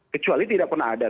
kecuali tidak pernah ada